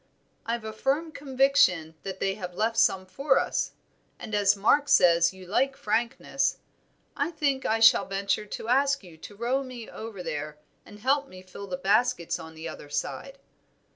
"I've a firm conviction that they have left some for us; and as Mark says you like frankness, I think I shall venture to ask you to row me over and help me fill the baskets on the other side."